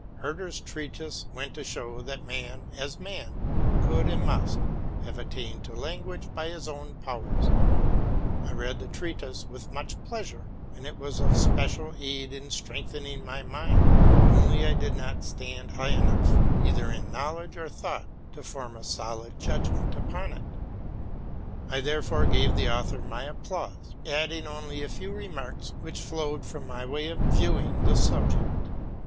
Herder's treatise went to show that man as man could and must have attained to lan guage by his own powers. I read the treatise with much pleasure, and it was of special aid in strengthening my mind ; but I did not stand high enough, either in knowledge or thought, to form a solid judement upon it. I therefore gave the author my applause, adding only a few remarks which flowed from my way of viewing the subject.